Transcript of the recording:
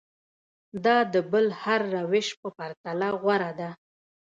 دا د بل هر روش په پرتله غوره ده.